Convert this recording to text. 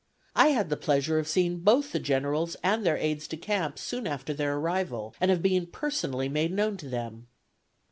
I had the pleasure of seeing both the generals and their aids de camp soon after their arrival, and of being personally made known to them.